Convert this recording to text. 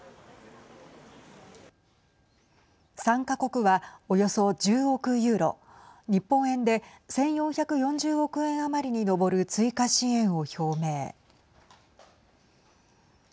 参加国はおよそ１０億ユーロ日本円で１４４０億円余りに上る追加支援を表明。